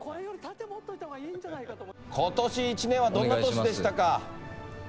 ことし１年はどんな年でしたか？